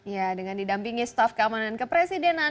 ya dengan didampingi staf keamanan kepresidenan